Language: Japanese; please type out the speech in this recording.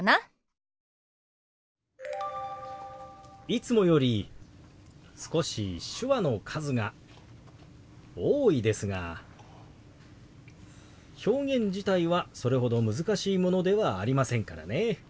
いつもより少し手話の数が多いですが表現自体はそれほど難しいものではありませんからね。